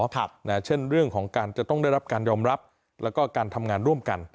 เช่นเรื่องของการจะต้องได้รับการยอมรับแล้วก็การทำงานร่วมกัน